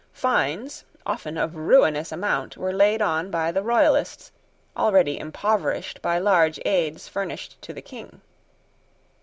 Fines, often of ruinous amount, were laid on the Royalists, already impoverished by large aids furnished to the King.